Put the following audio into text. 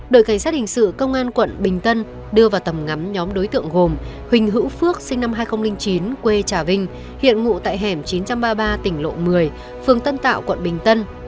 đội cảnh sát hình sự công an quận bình tân đưa vào tầm ngắm nhóm đối tượng gồm huỳnh hữu phước sinh năm hai nghìn chín quê trà vinh hiện ngụ tại hẻm chín trăm ba mươi ba tỉnh lộ một mươi phường tân tạo quận bình tân